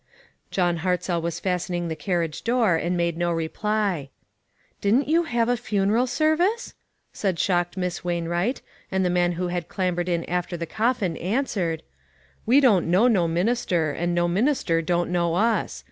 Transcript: John Hartzell was fastening the carriage door and made no reply. "Didn't you have a funeral service?" said shocked Miss Wainwright, and the man who had clambered in after the coffin answered : "We don't know no minister, and no min ister don't know us.